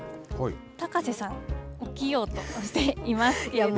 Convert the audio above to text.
高瀬さん、起きようとしていますけれども。